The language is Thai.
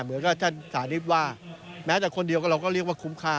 เหมือนกับท่านสาธิตว่าแม้แต่คนเดียวกับเราก็เรียกว่าคุ้มค่า